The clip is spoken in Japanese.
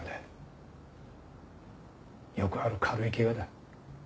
よくある軽い怪我だ。